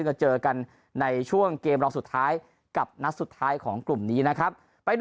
จะเจอกันในช่วงเกมรองสุดท้ายกับนัดสุดท้ายของกลุ่มนี้นะครับ